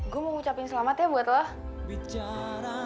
gue mau ngucapin selamat ya buat lo